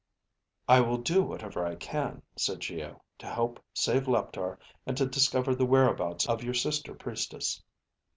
"I will do whatever I can," said Geo, "to help save Leptar and to discover the whereabouts of your sister priestess."